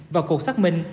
và cuộc xác minh